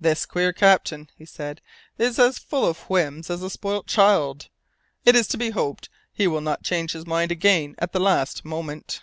"This queer captain," he said, "is as full of whims as a spoilt child! It is to be hoped he will not change his mind again at the last moment."